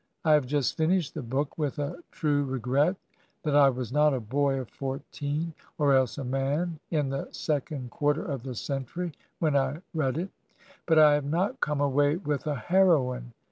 I have just finished the book, with a true regret that I was not a boy of fourteen, or else a man in the second quarter of the century, when I read it ; but I have not come away with a heroine.